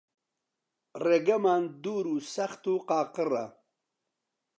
ڕێگەمان دوور و سەخت و قاقڕە